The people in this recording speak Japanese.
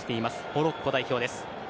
モロッコ代表です。